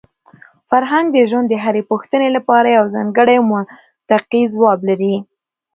فرهنګ د ژوند د هرې پوښتنې لپاره یو ځانګړی او منطقي ځواب لري.